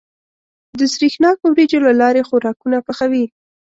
د سرېښناکو وريجو له لارې خوراکونه پخوي.